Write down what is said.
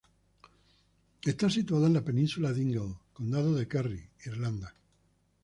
Está situada en la Península Dingle, condado de Kerry, Irlanda.